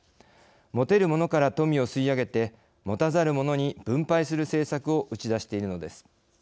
持てるものから富を吸い上げて持たざる者に分配する政策を打ち出しているのです。